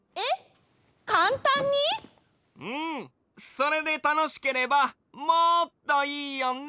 それでたのしければもっといいよね！